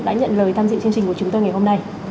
đã nhận lời tham dự chương trình của chúng tôi ngày hôm nay